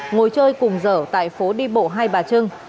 ngồi chơi cùng dở tại phố đi bộ hai bà trưng